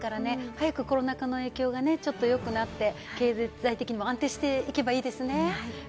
早くコロナ禍の影響がちょっとよくなって経済的にも安定していけばいいですね。